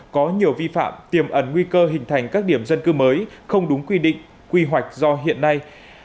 có nhiều vi phạm tiềm ẩn nguy cơ hình thành các điểm dân cư mới không đúng quy định quy hoạch do hiện nay